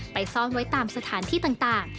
ซ่อนไว้ตามสถานที่ต่าง